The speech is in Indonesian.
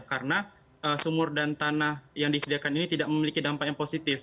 karena sumur dan tanah yang disediakan ini tidak memiliki dampak yang positif